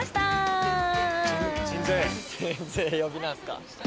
鎮西呼びなんすか？